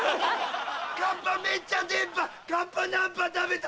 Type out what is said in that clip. カッパめっちゃ出っ歯カッパ菜っぱ食べた！